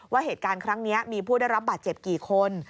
ว่าเหตุการณ์ครั้งนี้มีผู้ได้รับบาดเจ็บกี่คน